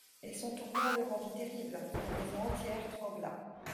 Et son tourment le rendit terrible, la maison entière trembla.